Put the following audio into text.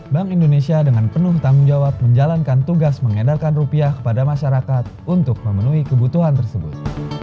bank indonesia dengan penuh tanggung jawab menjalankan tugas mengedarkan rupiah kepada masyarakat untuk memenuhi kebutuhan tersebut